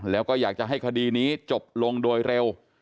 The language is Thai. แล้วก็อยากจะให้คดีนี้จบลงโดยเร็ว